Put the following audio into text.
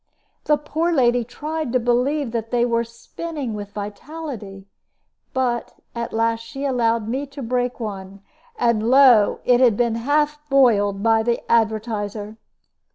The poor lady tried to believe that they were spinning with vitality; but at last she allowed me to break one, and lo! it had been half boiled by the advertiser.